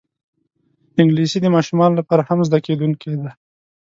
انګلیسي د ماشومانو لپاره هم زده کېدونکی ده